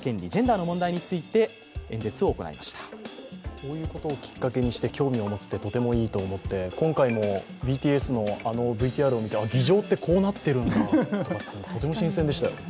こういうことをきっかけにして興味を持つのはとてもいいと思って、あのＢＴＳのＶＴＲを見て議場ってこうなってるんだと、とても新鮮でしたよ。